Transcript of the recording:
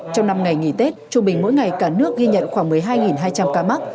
trong năm ngày nghỉ tết trung bình mỗi ngày cả nước ghi nhận khoảng một mươi hai hai trăm linh ca mắc